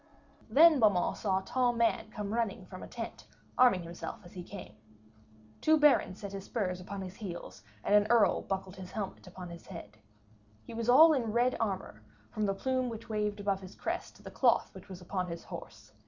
Then Beaumains saw a tall man come running from a tent, arming himself as he came. Two barons set his spurs upon his heels and an earl buckled his helm upon his head. He was all in red armour, from the plume which waved upon his crest to the cloth which was upon his horse.